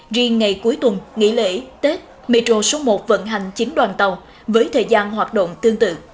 riêng ngày cuối tuần nghỉ lễ tết metro số một vận hành chín đoàn tàu với thời gian hoạt động tương tự